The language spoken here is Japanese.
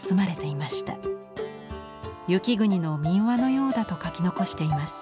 雪国の民話のようだと書き残しています。